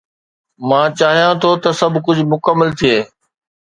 مان چاهيان ٿو ته سڀ ڪجهه مڪمل ٿئي